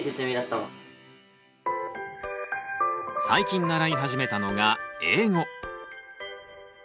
最近習い始めたのが英語。